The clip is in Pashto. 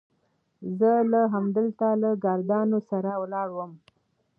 زه لا همدلته له ګاردانو سره ولاړ وم.